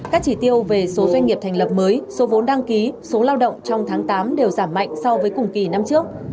các chỉ tiêu về số doanh nghiệp thành lập mới số vốn đăng ký số lao động trong tháng tám đều giảm mạnh so với cùng kỳ năm trước